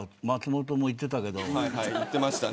松本も言ってたけど。